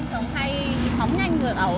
hay phóng nhanh ngược ẩu